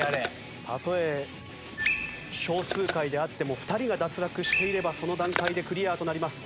たとえ少数回であっても２人が脱落していればその段階でクリアとなります。